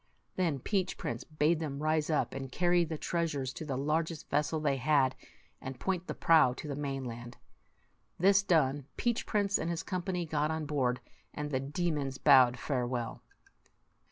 Then Peach Prince bade them rise up and carry the treasures to the largest vessel they had, and point the prow to 78 the mainland. This done, Peach Prince and his company got on board, and the demons bowed farewell.